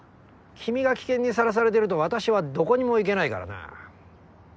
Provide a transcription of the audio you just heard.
君が危険に晒されてると私はどこにも行けないからな。